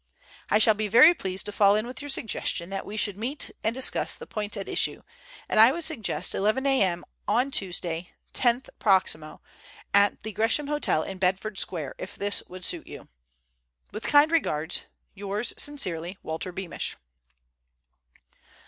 "I shall be very pleased to fall in with your suggestion that we should meet and discuss the points at issue, and I would suggest 11 a.m. on Tuesday, 10th prox., at the Gresham Hotel in Bedford Square, if this would suit you. "With kind regards, "Yours sincerely, "WALTER BEAMISH."